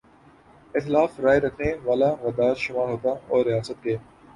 اختلاف رائے رکھنے والا غدار شمار ہوتا اور ریاست کے